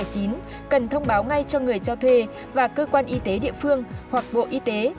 cần thông báo ngay cho người cho thuê và cơ quan y tế địa phương hoặc bộ y tế